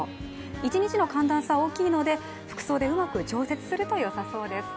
一日の寒暖差が大きいので服装でうまく調節するとよさそうです。